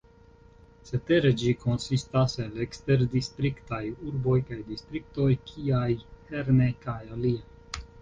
Cetere ĝi konsistas el eksterdistriktaj urboj kaj distriktoj, kiaj Herne kaj aliaj.